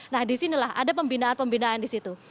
nah disinilah ada pembinaan pembinaan disitu